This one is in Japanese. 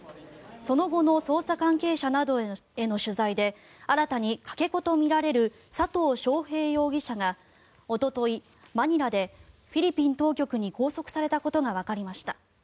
その後の捜査関係者などへの取材で新たにかけ子とみられる佐藤翔平容疑者がおととい、マニラでフィリピン当局に拘束されたことがわかりました。